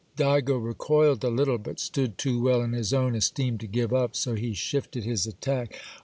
Digo recoiled a little, but stood too well in his own esteem to give up; so he shifted his attack.